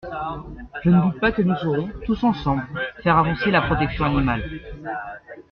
Je ne doute pas que nous saurons, tous ensemble, faire avancer la protection animale.